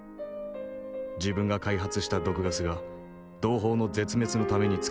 自分が開発した毒ガスが同胞の絶滅のために使われるとは思いもしなかった。